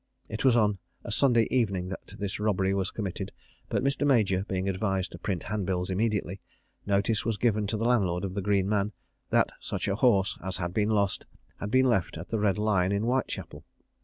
It was on a Saturday evening that this robbery was committed; but Mr. Major being advised to print hand bills immediately, notice was given to the landlord of the Green Man, that such a horse as had been lost had been left at the Red Lion in Whitechapel.